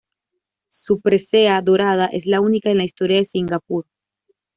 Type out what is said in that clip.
Su presea dorada es la única en la historia de Singapur.